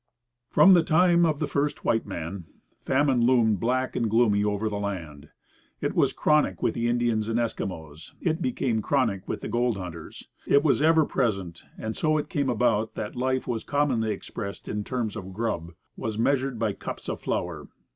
From the time of the first white man, famine loomed black and gloomy over the land. It was chronic with the Indians and Eskimos; it became chronic with the gold hunters. It was ever present, and so it came about that life was commonly expressed in terms of "grub" was measured by cups of flour.